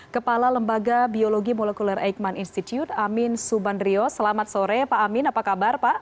kepala lembaga biologi molekuler eikman institute amin subandrio selamat sore pak amin apa kabar pak